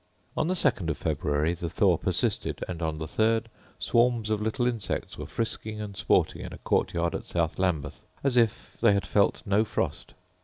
On the second of February the thaw persisted; and on the 3d swarms of little insects were frisking and sporting in a court yard at South Lambeth, as if they had felt no frost.